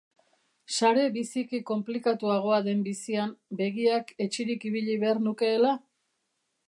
Sare biziki konplikatuagoa den bizian, begiak hetsirik ibili behar nukeela?